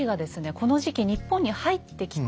この時期日本に入ってきた。